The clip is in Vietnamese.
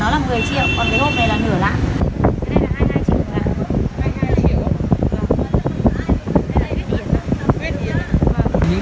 một lạng của nó là một mươi triệu còn cái hộp này là nửa lạng